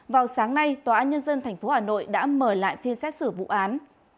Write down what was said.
vào sáng nay tòa án nhân dân tp hcm đã mở lại phiên xét xử vụ án